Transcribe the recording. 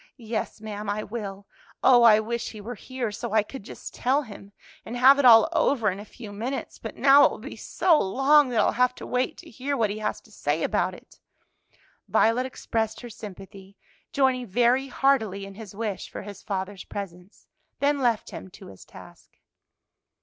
"Yes, ma'am, I will. Oh, I wish he were here! so I could just tell him, and have it all over in a few minutes. But now it will be so long that I'll have to wait to hear what he has to say about it." Violet expressed her sympathy, joining very heartily in his wish for his father's presence, then left him to his task.